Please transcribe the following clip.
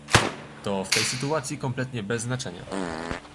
To w tej sytuacji kompletnie bez znaczenia.